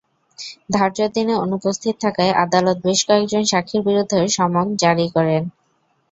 ধার্য দিনে অনুপস্থিত থাকায় আদালত বেশ কয়েকজন সাক্ষীর বিরুদ্ধেও সমন জারি করেছেন।